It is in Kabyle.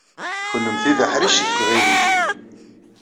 Kennemti d aḥric seg uɣilif.